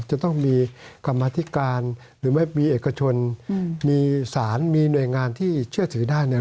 จะต้องมีกรรมธิการหรือไม่มีเอกชนมีสารมีหน่วยงานที่เชื่อถือได้เนี่ย